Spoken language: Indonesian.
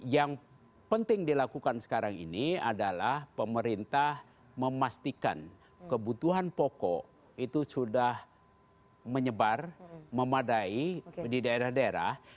yang penting dilakukan sekarang ini adalah pemerintah memastikan kebutuhan pokok itu sudah menyebar memadai di daerah daerah